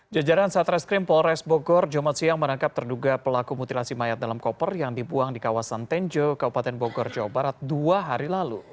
jajaran satreskrim polres bogor jumat siang menangkap terduga pelaku mutilasi mayat dalam koper yang dibuang di kawasan tenjo kabupaten bogor jawa barat dua hari lalu